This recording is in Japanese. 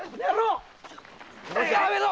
やめろ！